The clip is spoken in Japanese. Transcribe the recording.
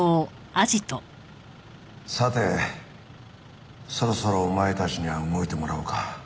さてそろそろお前たちには動いてもらおうか。